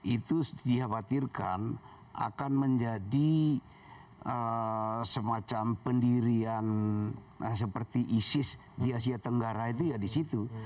itu dikhawatirkan akan menjadi semacam pendirian seperti isis di asia tenggara itu ya di situ